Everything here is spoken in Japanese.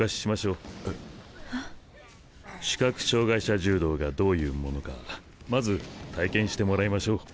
視覚障害者柔道がどういうものかまず体験してもらいましょう。